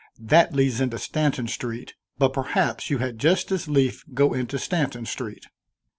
That leads into Stanton Street; but perhaps you had just as lief go into Stanton Street."